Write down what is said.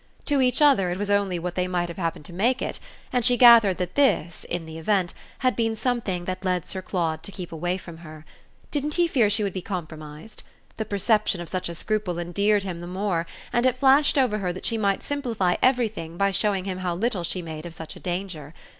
To each other it was only what they might have happened to make it, and she gathered that this, in the event, had been something that led Sir Claude to keep away from her. Didn't he fear she would be compromised? The perception of such a scruple endeared him the more, and it flashed over her that she might simplify everything by showing him how little she made of such a danger.